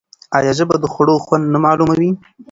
آیا ژبه د خوړو خوند نه معلوموي؟